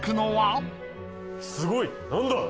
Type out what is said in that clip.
すごい何だ？